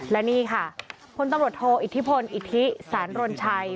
และนี่ค่ะพลตำรวจโทอิทธิพลอิทธิสารรนชัย